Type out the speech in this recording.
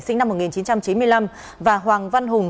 sinh năm một nghìn chín trăm chín mươi năm và hoàng văn hùng